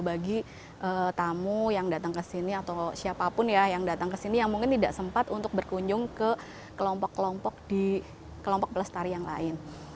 bagi tamu yang datang ke sini atau siapapun ya yang datang ke sini yang mungkin tidak sempat untuk berkunjung ke kelompok kelompok di kelompok pelestari yang lain